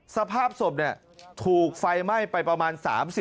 สภาพศพถูกไฟไหม้ไปประมาณ๓๐